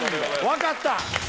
分かった！